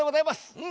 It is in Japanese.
うん。